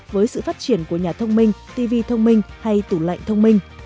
với sự phát triển của nhà thông minh tv thông minh hay tủ lạnh thông minh